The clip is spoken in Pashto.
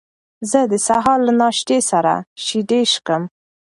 زه د سهار له ناشتې سره شیدې څښم.